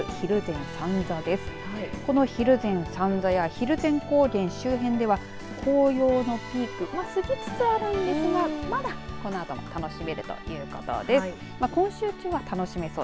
この蒜山三座や蒜山高原周辺では紅葉のピークを過ぎつつあるんですがまだこのあとも楽しめるということです。